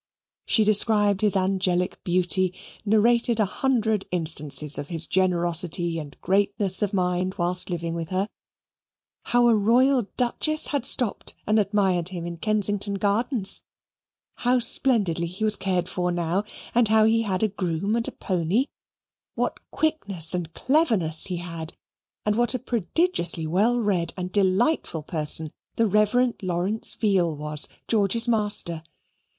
She described his angelic beauty; narrated a hundred instances of his generosity and greatness of mind whilst living with her; how a Royal Duchess had stopped and admired him in Kensington Gardens; how splendidly he was cared for now, and how he had a groom and a pony; what quickness and cleverness he had, and what a prodigiously well read and delightful person the Reverend Lawrence Veal was, George's master.